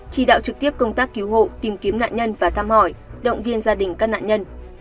chỉ đạo trực tiếp công tác cứu hộ tìm kiếm nạn nhân và thăm hỏi động viên gia đình các nạn nhân